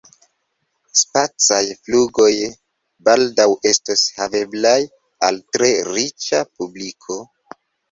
Spacaj flugoj baldaŭ estos haveblaj al tre riĉa publiko.